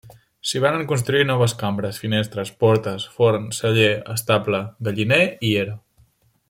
S'hi varen construir noves cambres, finestres, portes, forn, celler, estable, galliner i era.